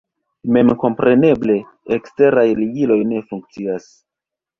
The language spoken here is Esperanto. Memkompreneble, eksteraj ligiloj ne funkcias.